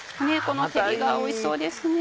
この照りがおいしそうですね。